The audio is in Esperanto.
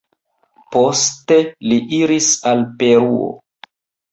Poste li iris al Peruo.